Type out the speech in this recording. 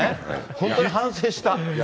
本当に反省した。